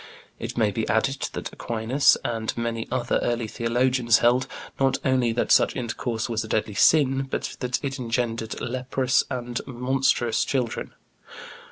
It may be added that Aquinas and many other early theologians held, not only that such intercourse was a deadly sin, but that it engendered leprous and monstrous children.